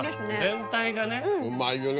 うまいよね